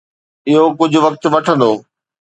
اهو ڪجهه وقت وٺندو.